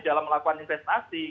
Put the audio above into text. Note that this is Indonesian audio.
dalam melakukan investasi